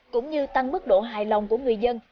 cũng như tăng mức độ hài lòng của người dân